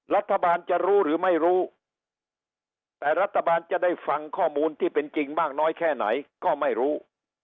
รัฐบาลจะรู้หรือไม่รู้แต่รัฐบาลจะได้ฟังข้อมูลที่เป็นจริงมากน้อยแค่ไหนก็ไม่รู้